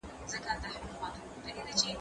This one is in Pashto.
هغه څوک چي درسونه اوري پوهه زياتوي،